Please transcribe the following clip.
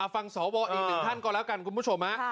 ฟังสวอีกหนึ่งท่านก่อนแล้วกันคุณผู้ชม